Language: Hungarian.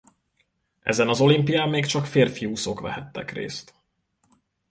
Ezen az olimpián még csak férfi úszók vehettek részt.